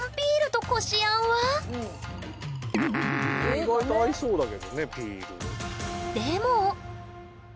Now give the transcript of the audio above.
意外と合いそうだけどねピール。